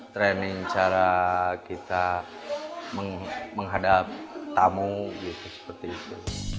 training cara kita menghadap tamu gitu seperti itu